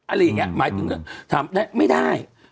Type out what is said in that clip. อะไรอย่างนี้หมายถึงถามได้ไม่ได้